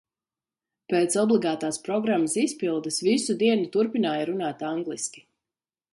Pēc obligātās programmas izpildes, visu dienu turpināja runāt angliski.